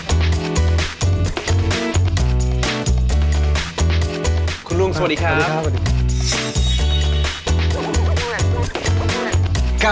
สวัสดีครับ